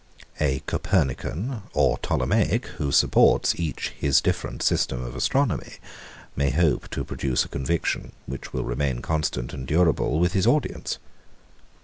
A Copernican or Ptolemaic, who supports each his different system of astronomy, may hope to produce a conviction, which will remain constant and durable, with his audience.